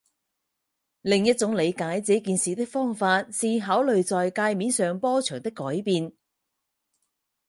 另一种理解这件事的方法是考虑在界面上波长的改变。